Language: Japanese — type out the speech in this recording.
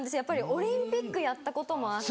オリンピックやったこともあって。